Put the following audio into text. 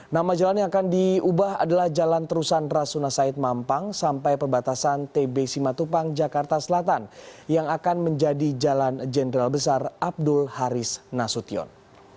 nama jalan yang akan diubah adalah jalan terusan rasuna said mampang sampai perbatasan tb simatupang jakarta selatan yang akan menjadi jalan jenderal besar abdul haris nasution